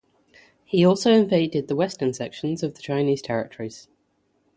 He also invaded the western sections of the Chinese territories.